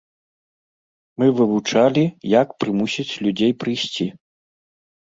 Мы вывучалі, як прымусіць людзей прыйсці.